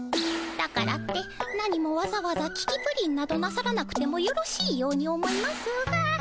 だからって何もわざわざききプリンなどなさらなくてもよろしいように思いますが。